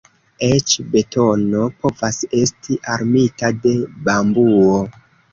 Eĉ betono povas esti armita de bambuo.